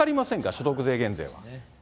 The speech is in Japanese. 所得税減税は。